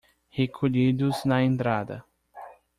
Recolhidos na entrada